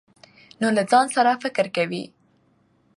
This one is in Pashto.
نو له ځان سره فکر کوي ،